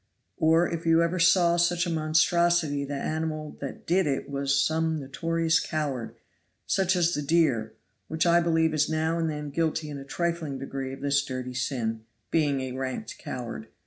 Or if you ever saw such a monstrosity the animal that did it was some notorious coward, such as the deer, which I believe is now and then guilty in a trifling degree of this dirty sin, being a rank coward.